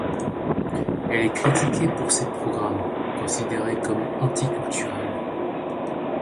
Elle est critiquée pour ses programmes, considérés comme anti-culturels.